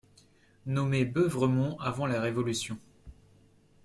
Nommé Beuvremont avant la Révolution.